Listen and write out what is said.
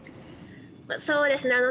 そうですね